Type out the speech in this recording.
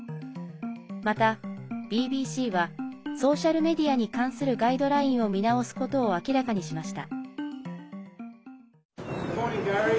また、ＢＢＣはソーシャルメディアに関するガイドラインを見直すことを明らかにしました。